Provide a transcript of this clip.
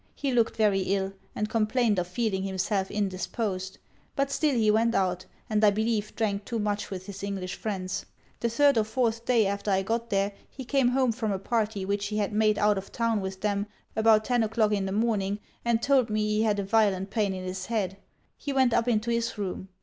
He looked very ill; and complained of feeling himself indisposed. But still he went out; and I believe drank too much with his English friends. The third or fourth day after I got there he came home from a party which he had made out of town with them about ten o'clock in the morning, and told me he had a violent pain in his head. He went up into his room.